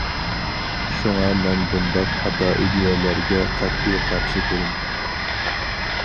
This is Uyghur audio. شۇڭا مەن بۇنداق خاتا ئىدىيەلەرگە قەتئىي قارشى تۇرىمەن.